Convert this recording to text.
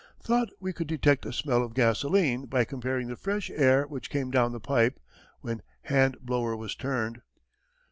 Thought we could detect a smell of gasoline by comparing the fresh air which came down the pipe (when hand blower was turned).